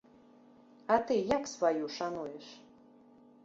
А ты як сваю шануеш?